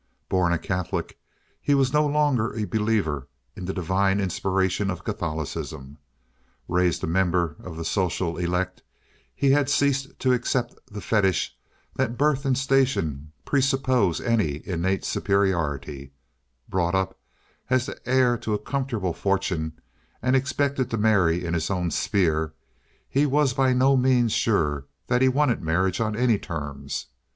Born a Catholic, he was no longer a believer in the divine inspiration of Catholicism; raised a member of the social elect, he had ceased to accept the fetish that birth and station presuppose any innate superiority; brought up as the heir to a comfortable fortune and expected to marry in his own sphere, he was by no means sure that he wanted marriage on any terms.